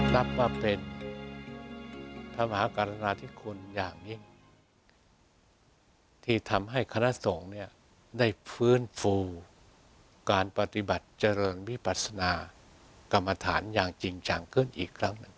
นับว่าเป็นพระมหากรณาธิคุณอย่างยิ่งที่ทำให้คณะสงฆ์เนี่ยได้ฟื้นฟูการปฏิบัติเจริญวิปัสนากรรมฐานอย่างจริงจังขึ้นอีกครั้งหนึ่ง